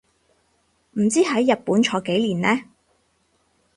唔知喺日本坐幾年呢